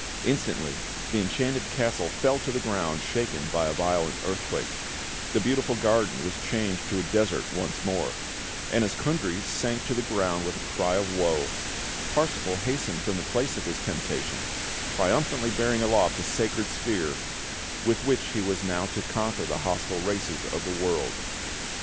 Instantly the Enchanted Castle fell to the ground, shaken by a violent earthquake; the beautiful garden was changed to a desert once more; and as Kundry sank to the ground with a cry of woe, Parsifal hastened from the place of his temptation, triumphantly bearing aloft the sacred spear, with which he was now to conquer the hostile races of the world.